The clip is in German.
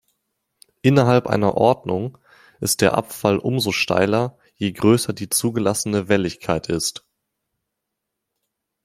Innerhalb einer Ordnung ist der Abfall umso steiler, je größer die zugelassene Welligkeit ist.